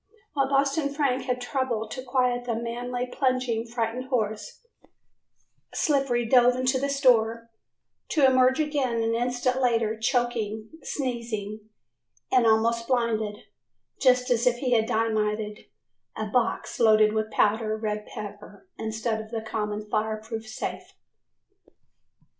While Boston Frank had trouble to quiet the madly plunging, frightened horse, Slippery dove into the store to emerge again an instant later choking, sneezing and almost blinded just as if he had dynamited a box loaded with powdered red pepper instead of a common fireproof safe.